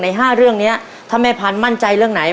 ๕เรื่องนี้ถ้าแม่พันธุ์มั่นใจเรื่องไหน